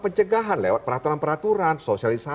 pencegahan lewat peraturan peraturan sosial